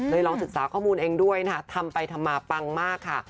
ลองศึกษาข้อมูลเองด้วยนะคะทำไปทำมาปังมากค่ะ